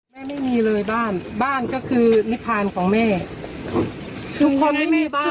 แม่ไม่มีเลยบ้านบ้านก็คือนิพพานของแม่ทุกคนไม่มีบ้านหรอก